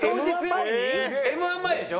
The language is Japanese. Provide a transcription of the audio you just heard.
Ｍ−１前でしょ？